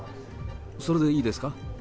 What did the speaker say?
それでいいですか？